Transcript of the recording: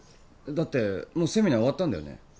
だってもうセミナー終わったんだよね